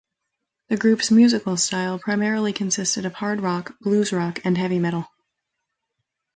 The groups musical style primarily consisted of hard rock, blues rock and heavy metal.